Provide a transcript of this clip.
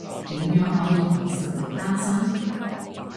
點樣可以憑實力單身？